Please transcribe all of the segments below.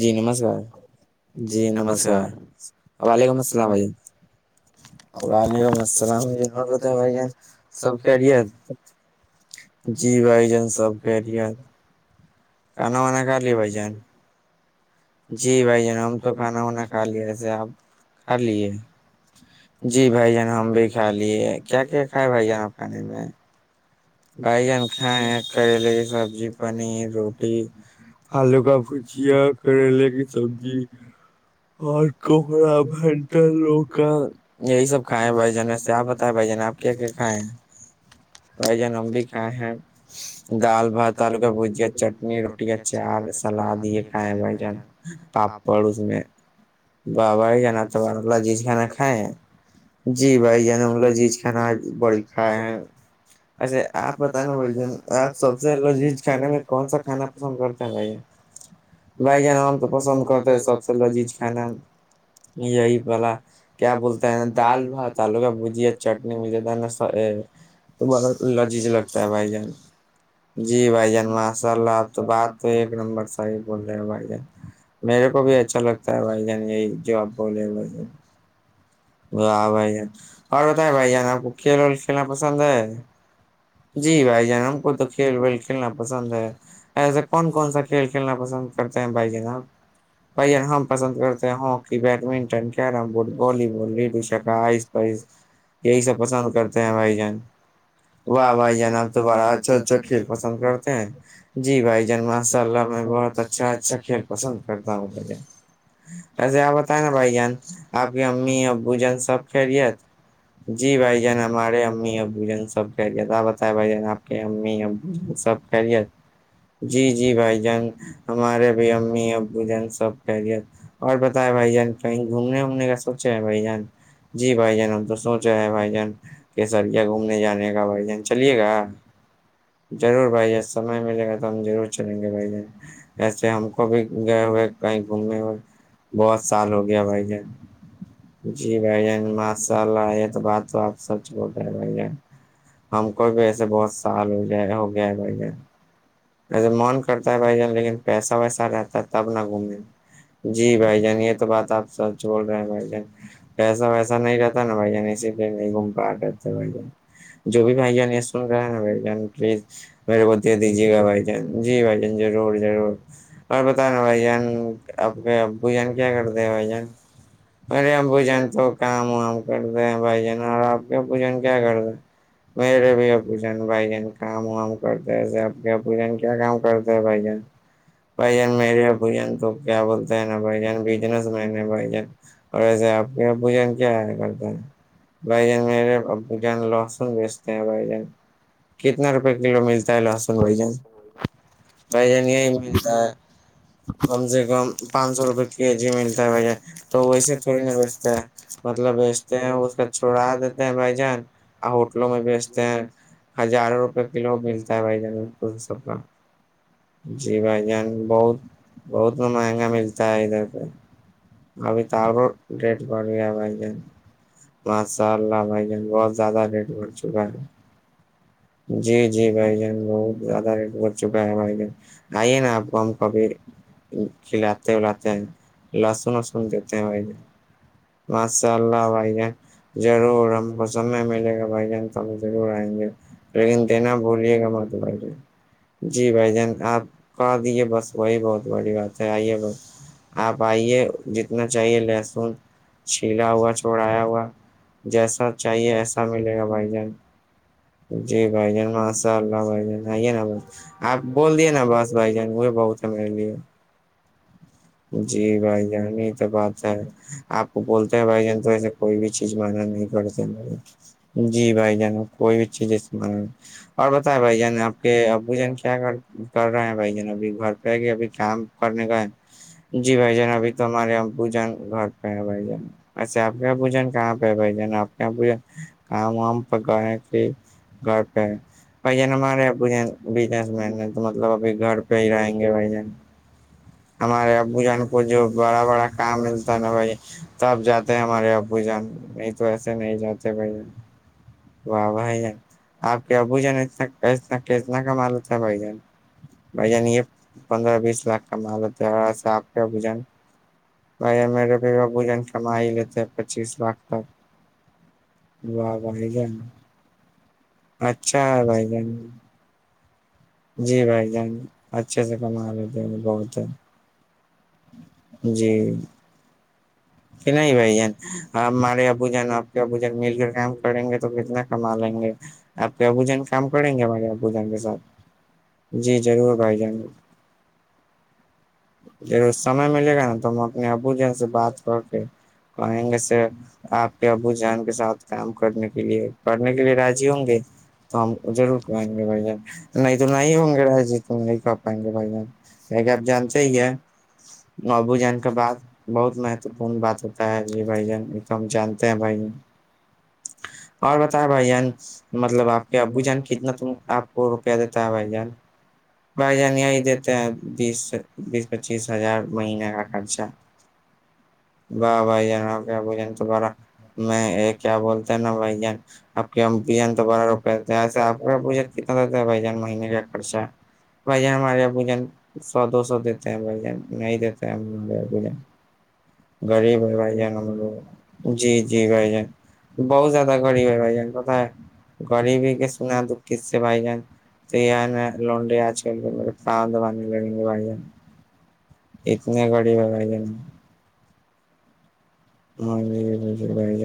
جی نمسکار جی نمسکار وعلیکم السلام بھائی وعلیکم السلام حممت بھ سب کہری- جی بھائی جان سب کہہ رہے کھانا وانا ک لے بھائی جان جی بھائی جنب تو کھانا وانا کھا لیا ایسے آپ کھا لیے جی بھائی جان ہم بھی کھا لیے کیا کیا کھائے بھائی جان آب کھانے میں بھائی جن کائے کریلے سبزی پنیر روٹی آلو کا پھکیا کریلے کی سبزی اور کوہرا بھنٹر لوکل یہی سب کھائے ہیں بھ جن ایس آپ بتا بھ جان آپ کیا- کیا, کھیں- ہیں [unintelligible] ا جان لمب بھی کھائے ہیں دال بات آلو کا بجیا چٹنی روٹ چار سلاد یہ بھائی جان پاپڑ اس میں بابا ہی جانا تو بار اللہ جیز کھانا کائےیں جی بھائی ع م کا جیج کھانا بڑ کا ہے اچھا آپ بتانا بھائی آپ سب سے لذیذ کھانے میں کون سا کھانا پسند کرتے ہیں بھائی بھائی جان آم تو پسند کرتے ہے سب سے لذیذ کھانا یہی بلا کیا بولتا ہے نا دال بھاتلو کا بجیا چٹنی بج نا [unintelligible] تو بڑا لذیذ لگتا ہے بھائی جان جی بھائی جان ماشاء اللہ اپ تو بات تو ایک نمبر ص ہی بول رہے ہیں بھائی جان میرے کو بھی اچھا لگتا ہے بھائی جان یہی جو آپ بولے بھائی جان واہ بھائی جان اور بتائیں بھائی جان آپ کو کھیل ول کھیلنا پسند ہے جی بھائی جان ہم کو تو کھیل ویل کھیلنا پسند ہے ایسے کون کون سا کھیل کھیلنا پسند کرتے ہیں بھائی جناب پہین ہم پسند کرتے ہیں ہاکی بیڈمنٹن کیرم بورڈ والی ب ٹو شکاس پس یہی سب پسند کرتے ہیں بھائی جان واہ بھائی جان آب تو بڑا اچھا اچھا کھیل پسند کرتے ہیں جی بھائی جان ماشاء اللہ میں بہت ب اچھا اچھا کھیل پسند کرتا ہوں مجھے ایسے آپ بتائیں نا بھائی جان آپ کی امی ابو جان سب کہلت جی بھائی جان ہمارے امی ابو جن سب کہہ دیاتا بتائے بھائی جان آپ کے امی ابو جن سب ری جی جی بھائی جان ہمارے بھی امی ابو جان سب ک لیت اور بتائے بھائی جان کہیں گھومنے وومنے کا سوچے ہیں بھائی جان جی بھائی جان ہم تو سوچ رہے ہیں بھائی جان کےسریا گھومنے جانے کا بھائی جان چلیے گا ضرور بھائی جان سمے ملے گا تو ہم ضرور چلیں گے بھائی جان ایسے ہم کو بھی گئے ہوئے کہیں گھومنے ہوئے بہت سال ہو گیا بھائی جان جی بھ جان ماشاء رہا یہ تو بات تو آپ سچ بول رہے ہیں بھ ج ہم کو بھی ایسے بہت سال ہو جائے ہو گیا ہے بھ جان ایسے من کرتا ہے بھائی جان لیکن پیسہ ویسا رہتا ہے تب نہ گھومیں جی بھائی جان یہ تو بات آپ سچ بول رہے ہیں بھائی جان پیسہ ویسا نہیں رہتا نا بھائی جان اسی لیے نہیں گھوم کر آ رہتےے بھائی ج جو بھی بھائی جان یہ سن رہا ہے نا بھائی جان پلیز میرے ب دے دیجیے گا بھائی جان جی بھائی جان ضرور ضرور اور بتانا بھائی جان آپ کے ب جان کیا کرتے ہیں بھائی جان ارے ہم بوجن تو کام وام کرتے ہیں بھائی جان اور آپ کے بوجن کیا کرتے میرے بھی اوجن بھائی جن کام وام کرتے ایسے آب کےوجن کیا کام کرتے خدا بائی گن بھ جان میرے بھان تو کیا بولتے ہیں نا بھائی جان بزنس مین ہے بھائی جان اور ایسے آپ کے یہ پوجن کیایا کرتا ہے بھائی جان میرے ابو جان لہسن بیچتے ہیں بھائی جان کتنا روپئے کلو ملتا ہے لہسن م وائجن یہی ملتا ہے کم سے کم پانچ سو روپئے کے جی ملتا ہے بھیا تو ویسے تھوڑی نہا بیچتے ہیں مطلب بیچتے ہیں اس کا چھڑا دیتے ہیں بھائی جان ہوٹلوں میں بیچتے ہیں ہزاروں روپئے کلو ملتا ہے بھائی جان سب کا جی بھائی جان بہت بہت ن مہنگا ملتا ہے ادھر پہ ابھی تو اور ریٹ بڑ گیا بھائی جان ماشاء اللہ بھائی جان بہت زیادہ ریٹ بھر چکا ہے جی جی بھائی جان بہت زیادہ ریٹ ب چکا ہے بھائی ج آئیے نا آپ کو ہم کبھی کھلاتے ولاتے ہیں لہسن وسن دیتے ہیں بھائی ماشاء اللہ بھائی جان ضرور ہم کو س میں ملے گا بھائی جان تو ہم ضرور آئیں گے لیکن دینا بولیے گا مات بھائی جی بھائی جان آپ کہ دیے بس وہی بہت بڑی بات ہے آئیے بس آپ آئیے جتنا چاہیے لہسن چلا ہوا چوڑایا ہوا جیسا چاہیے ایسا ملے گا بھائی جان جی بھائی جان ماشاء اللہ بھائی جان آئیے نا بس آپ بول دیے نا بس بھائی جان وہ بہت چ لی جی بھائی جان یہ تو بات ہے آپ کو بولتے ہیں بھائی جان تو ایسے کوئی بھی چیز مانا نہیں کر سک جی بھائی جان کوئی بھی چیز اس اور بتیں بھائی جان آپ کہ ابو جن کیا کر کر رہے ہیں بھائی جن ابھی گھر پہ کہ ابھی کام کرنے کا ہے جی بھ جان ابھی تو ہمارے یہاں پوجن گھر پہ ہے بھ ج ایسے آپ کے پوجن کہاں پہ ہے بھ جان آ کام وام پ گ گھر پہ بھ جن ہمارے بزنس مین ہیں تو مطلب ابھی گھر پہ ہی رہیں گے بھ جن ہمارے ابو جان کو جو بڑا بڑا کام ملتا ہے نا بھائی تب جاتے ہیں ہمارے ابو جان نہیں تو ایسے نہیں جاتے بھائی جان واہ بھائی جان آپ کے ابو جان اتنانا کتنا کما لیتے ہیں بھائی جان بھ جان یہ پندرہ بیس لاکھ کما لیتے س آپ کے بھجن بھائی رےوا بوجن کمائی لیتے ہیں پچیس لاکھ تک وا ب جا اچھا بھائی جن جی بھائی جان اچھے سے کما لیتے ہیں بہت ہ جی کہ نہیں بھ جان آپ ہمارے ابو جان آپ کے ابو جان مل کر کام کریں گے تو کتنا کما لیں گے آپ کے ابو جان کام کریں گے ہمارے ابو جان کے ساتھ جی ضرور بھائی جانے ر اس سمے ملے گا نا تو ہم اپنے ابو جین سے بات کر کے کہیں گے سر آپ کے ابو جان کے ساتھ کام کرنے کے لیے پڑھنے کے لیے راضی ہوں گے تو ہم ضرور کرائیں گے بھائی جان نہیں تو نہیں ہوں گے ر جی تو نہیں کر پائیں گے بھائی جان کہ آپ جانتے ہی ہے ابو جان کے بعات بہت م م پن بات ہوتا ہے جی بھائی جان ایک تو ہم جانتے ہیں بھائی جن [inaudible] اور بتائیں بھائی جان مطلب آپ کے ابو جان کتنا تم آپ کو روپیہ دیتا ہے بھائی جان بائی جان یہئی دیتے ہیں بیس بیس پچیس ہزار مہینے کا خرچہ واہ بھائی جان ب ج تہارا میں یہ کیا بولتے ہیں نا بھائی جان آپ کے ہم بجن تو بڑا روپئے دیتے ہے ایسے آپ کا بوجن کتنا رہتا ہے بھائی جان مہینے کا خرچہ بجن مرییا بوجن سوش دیتے ہیں بھ نہیں دیتے ہیں غریب ہے بھائی جان ہم لوگ جی جی بھائی جان بہت زیادہ غریب ہے بھائی جان پتہ ہے غریب ہی کے سنا دکھھی سے بھائی جان تو یہ لون ریاج کر کے میرے فان دبانے لگیں گے ب جین اتنے گاڑی لگائی گے نا ہاں ج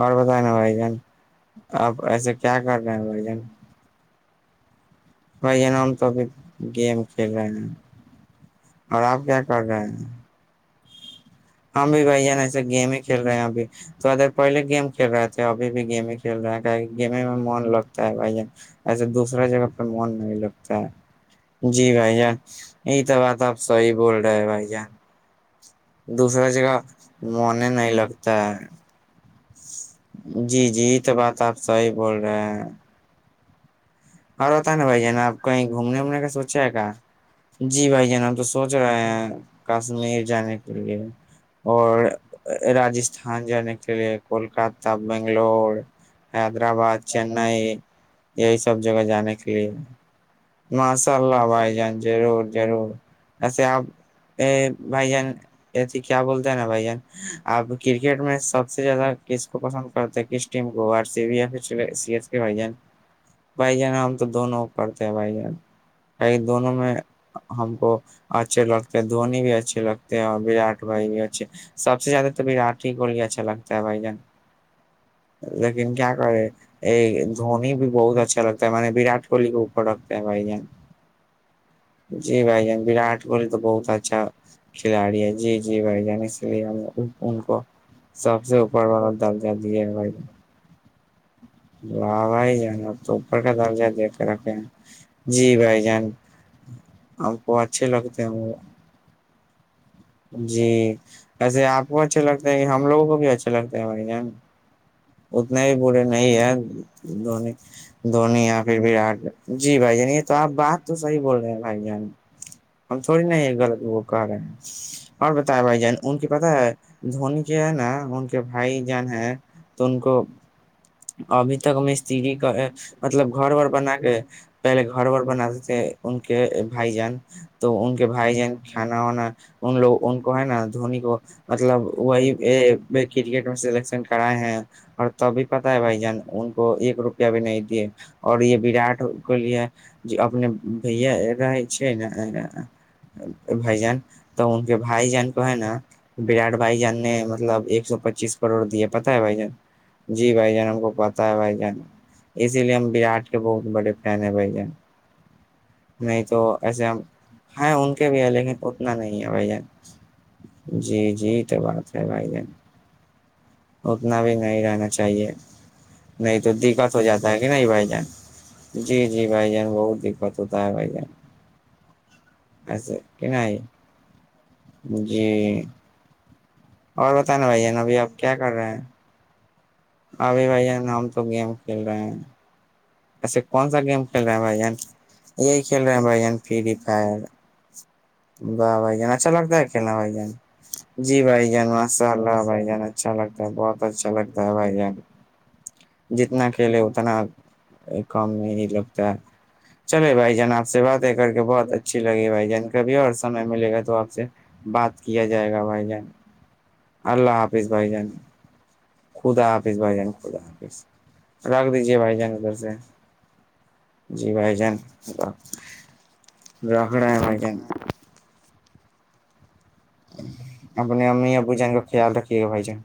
اور بتائے نا بھائی جان آپ ایسے کیا کر رہے ہیں بھائی جان بھائی یہ نام تو ابھی گیم کھیل رہے ہیں اور آپ کیا کر رہے ہیں ہماں بھی بھیا ایسے گیم ہی کھیل رہے ہیں ابھی تو ادر پہلے گیم کھیل رہے تھے ابھی بھی گیم ہی کھیل رہے ہیں کہ کہ گیمے میں من لگتا ہے بھائی ج ایسے دوسرا جگہ پہ من نہیں لگتا ہے جی بھائی جان یہی تو بات آپ صحیح بول رہے ہیں بھائی جان دوسرا جگہ منے نہیں لگتا ہے جی جی یہ تو بات آپ صحی بول رہے ہیں اور ہوتا نا بھائی ج نا آپ کہیں گھومنے وومنے کا سوچا ہے کیا جی بھائی ج ن ہم تو سوچ رہے ہیں کشمیر جانے کے لیے اور راجستھان جانے کے لیے کولکاتہ بنگلور حیدرآباد چنئی یہی سب جگہ جانے کے لیے ماشاء اللہ بھائی جان ضرور ضرور ایسے آپ ا بھائی جان ایسی کیا بولتے ہیں نا بھائی جان اب کرکٹ میں سب سے زیادہ کس کو پسند کرتے کس ٹیم گو C B F E C S کے بھجن بھائی جانہ میں تو دونوں کو کرتے ہیں بھائی جان ک دونوں میں ہم کو اچھے لگتے ہیں دھونی بھی اچھے لگتے اور وراٹ بھائی بھی اچھے سب سے زیادہ تو وراٹ ہی کوہلی اچھا لگتا ہے بھائی جان لیکن کیا کرے ایک دھونی بھی بہت اچھا لگتا ہے میں نے وراٹ کوہلی کو پروڈکٹ بائی یں جی بھائی جان وراٹ کوہلی تو بہت اچھا کھلاڑی ہے جی جی بھائی جان اس لیے ہم ان کو سب سے اوپر والا درجہ دیا گ نے واہ بھائی جان آپ تو اوپر کا درجہ دے کے رکھے ہیں جی بھائی جان آپ کو اچھے لگتے ہیں وہ جی وسے آپ کو اچھے لگتے ہیں کہ ہم لوگوں کو بھی اچھے لگتا ہیں بھائی ہے نا اتنا ہی بولے نا نہیں ہے دونی دھونی یا پھراٹ جی بھائی جے تو آپ بات تو صحیح بول رہے ہیں بھائی جان ہم تھوڑی نہیں یہ غلط وہ کر رہے ہیں اور بتایا بھائی جان ان کی پتہ ہے دھونی کے ہے نا ان کے بھائی جان ہیں تو ان کو ابھی تک مستری کا مطلب گھر ب بنا کے پہلے گھر ب بناتے تھے ان کے بھائی جان تو ان کے بھائی جان کھانا وانا ان لوگ ان کو ہے نا دھونی کو مطلب وہی کرکٹ میں سلیکشن کرائے ہیں اور تبھی پتا ہے بھائی جان ان کو ایک روپیہ بھی نہیں دی اور یہ براٹ کے لیے ج اپنے بھیا رہے چ نا بھائی جان تو ان کے بھائی جان کو ہے نا براٹ بھائی جان نے مطلب ایک سو پچیس کروڑ دییا پتا ہے بھائی جان جی بھائی جان ہم کو پتہ ہے بھائی جان اسی لیے ہم براٹ کے بہت بڑے فین ہیں بھائی جن نہیں تو ایسے ہم ہیںائ ان کے بھی ہیں لیکن اتنا نہیں ہے بھجن جی جی تو بات ہے بھائی جان اتنا بھی نہیں رہنا جے نہیں تو دقت ہو جاتا ہے کہ نہیں بھائی جان جی جی بھائی جان بہت دقت ہو بت ہوھا ایسے کہ نہیں جی اور بت نا بھائیین ابھی آپ کیا کر رہے ہیں ابھی بھائی ہم تو گیم کھیل رہے ہیں ایچسے کون سا گیم کھیل رہے ہیں بھائی ان یہی کھیل رہے ہیں بھائی جان فری فائر واہ بھ جان اچھا لگتا ہے اکلا بھائی جان جی بھائی جان ماشاء اللہ بھائی جان اچھا لگتا ہے بہت اچھا لگتا ہے بھائی جان جتنا کلے اتنا کم نہیں ہی لگتا ہے چلے بھائی جان آپ سے باتیں کر کے بہت اچھی لگی بھائی جان کے کبھی اور سمے ملے گا تو آپ سے بات کیا جائے گا بھائی جان اللہ حافظ بھائی جان خدا حافظ بھائی جان خدا حافظ رکھ دیجے بھائی جان ادھر سے جی بھائی جان رکھ رہا ہیں بھائی جان آ اپنی امی ابو جاں خیال رکھے بائی جان